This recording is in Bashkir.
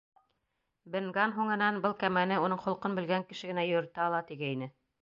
Бен Ганн һуңынан, был кәмәне уның холҡон белгән кеше генә йөрөтә ала, тигәйне.